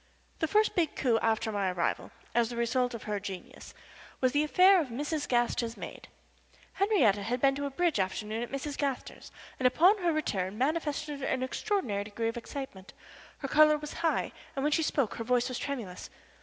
The first big coup after my arrival, as the result of her genius, was in the affair of Mrs. Gaster's maid. Henriette had been to a bridge afternoon at Mrs. Gaster's and upon her return manifested an extraordinary degree of excitement. Her color was high, and when she spoke her voice was tremulous.